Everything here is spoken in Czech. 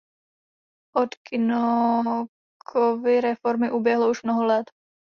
Od Kinnockovy reformy uběhlo už mnoho let.